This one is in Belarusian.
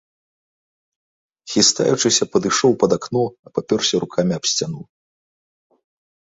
Хістаючыся падышоў пад акно, абапёрся рукамі аб сцяну.